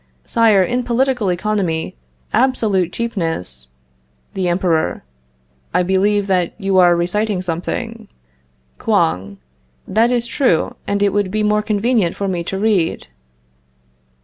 Sire, in political economy, absolute cheapness" The Emperor. "I believe that you are reciting something." Kouang. "That is true, and it would be more convenient for me to read."